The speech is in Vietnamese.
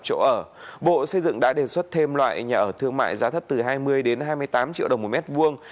chỗ ở bộ xây dựng đã đề xuất thêm loại nhà ở thương mại giá thấp từ hai mươi đến hai mươi tám triệu đồng một mét vuông